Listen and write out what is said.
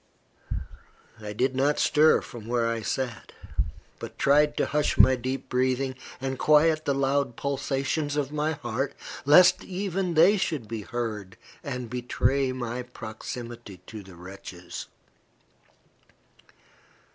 I did not stir from where I sat, but tried to hush my deep breathing, and quiet the loud pulsations of my heart, lest even they should be heard and betray my proximity to the wretches.